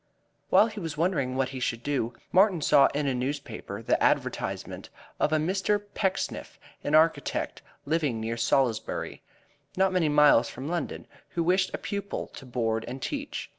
While he was wondering what he should do, Martin saw in a newspaper the advertisement of a Mr. Pecksniff, an architect, living near Salisbury, not many miles from London, who wished a pupil to board and teach.